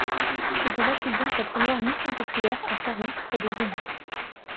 C’est de là qu’il donne sa première ‘mission populaire’ à Carouge, près de Genève.